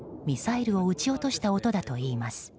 ミサイルを撃ち落とした音だといいます。